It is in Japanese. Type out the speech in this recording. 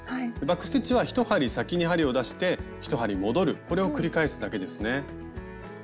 バック・ステッチは１針先に針を出して１針戻るこれを繰り返すだけですね。